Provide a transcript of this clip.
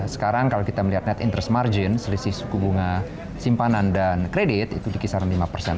sekarang kalau kita melihat net interest margin selisih suku bunga simpanan dan kredit itu di kisaran lima persen